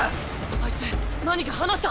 あいつ何か話した。